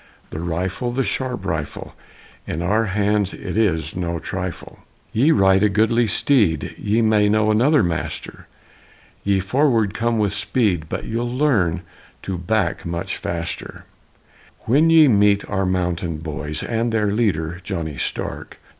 The rifle, the sharp rifle! In our hands it is no trifle! Ye ride a goodly steed; He may know another master: Ye forward come with speed, But ye'll learn to back much faster, When ye meet our mountain boys And their leader, Johnny Stark!